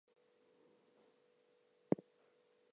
Almost all the inhabitants of the capital followed him.